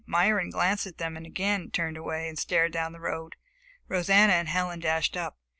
Myron glanced at them and again turned away and stared down the road. Rosanna and Helen dashed up.